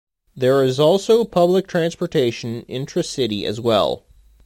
There is also public transportation intra-city as well.